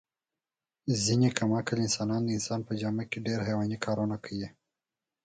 ځنې کم عقل انسانان د انسان په جامه کې ډېر حیواني کارونه کوي.